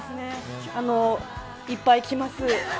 いっぱい着ます。